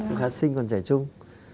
cũng khá xinh còn trẻ trung